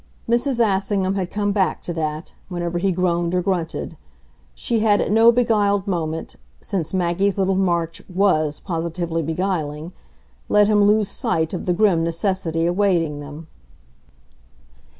Mrs. Assingham had come back to that, whenever he groaned or grunted; she had at no beguiled moment since Maggie's little march WAS positively beguiling let him lose sight of the grim necessity awaiting them.